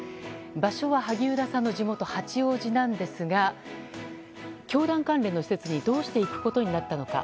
場所は萩生田さんの地元八王子なんですが教団関連の施設にどうして行くことになったのか。